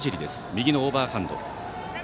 右のオーバーハンド。